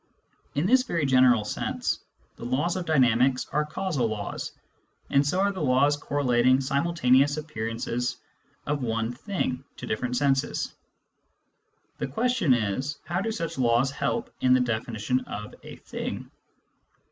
In this very general sense, the laws of dynamics are causal laws, and so are the laws correlating the simultaneous appearances of one " thing " to different senses. The question is : How do such laws help in the definition of a " thing